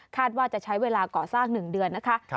ว่าจะใช้เวลาก่อสร้าง๑เดือนนะคะ